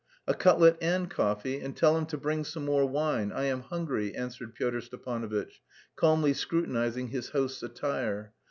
"A cutlet and coffee, and tell him to bring some more wine, I am hungry," answered Pyotr Stepanovitch, calmly scrutinising his host's attire.